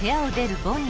ボニー。